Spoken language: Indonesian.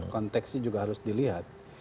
kontekstnya juga harus dilihat